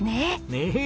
ねえ。